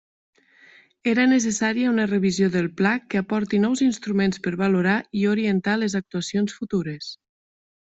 Era necessària una revisió del Pla que aporti nous instruments per valorar i orientar les actuacions futures.